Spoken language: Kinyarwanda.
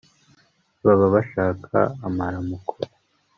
baba bashaka amaramuko